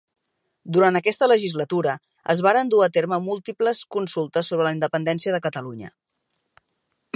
Durant aquesta legislatura es varen dur a terme múltiples consultes sobre la independència de Catalunya.